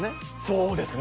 そうですね